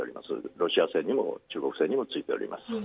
ロシア製にも中国製にもついております。